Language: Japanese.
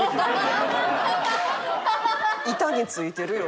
板に付いてるよ。